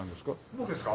僕ですか？